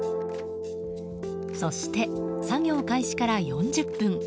そして、作業開始から４０分。